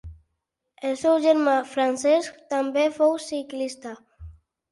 El seu germà Francesc també fou ciclista.